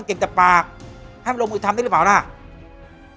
เก่งแต่ปากให้มันลงมือทำได้หรือเปล่านะ